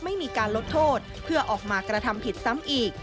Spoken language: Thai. ไม่มีการลดโทษเพื่อออกมากระทำผิดซ้ำอีก